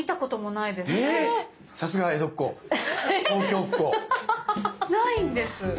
ないんです！